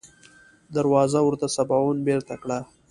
دروازه ورته سباوون بېرته کړه.